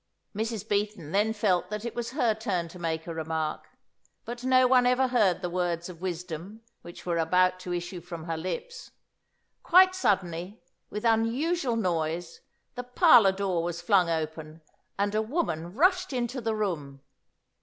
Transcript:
Mrs. Beaton then felt that it was her turn to make a remark, but no one ever heard the words of wisdom which were about to issue from her lips. Quite suddenly, with unusual noise, the parlour door was flung open, and a woman rushed into the room.